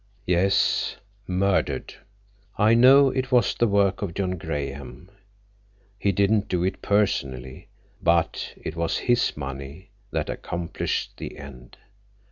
"Yes—murdered. I know it was the work of John Graham. He didn't do it personally, but it was his money that accomplished the end.